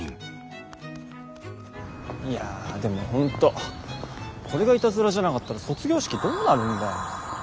いやでも本当これがイタズラじゃなかったら卒業式どうなるんだよ。